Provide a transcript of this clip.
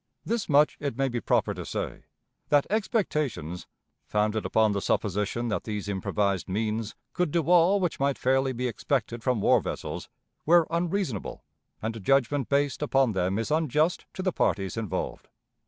This much it may be proper to say, that expectations, founded upon the supposition that these improvised means could do all which might fairly be expected from war vessels, were unreasonable, and a judgment based upon them is unjust to the parties involved.